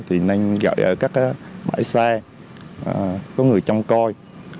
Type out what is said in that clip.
thì nên gọi ở các bãi xe có người trông coi